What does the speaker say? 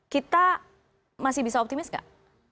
kita masih bisa optimis nggak